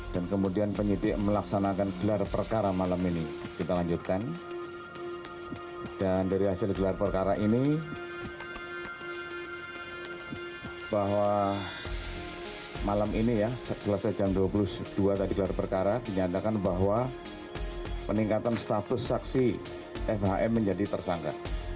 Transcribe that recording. dua tadi gelar perkara menyatakan bahwa peningkatan status saksi fhm menjadi tersangka